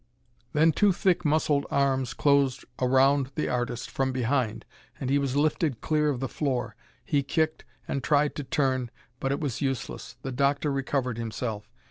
Then two thick muscled arms closed around the artist from behind and he was lifted clear of the floor. He kicked, and tried to turn, but it was useless. The doctor recovered himself.